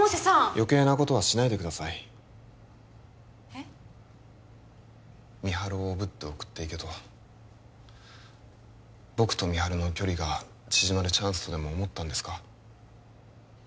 余計なことはしないでくださいえっ美晴をおぶって送っていけと僕と美晴の距離が縮まるチャンスとでも思ったんですか？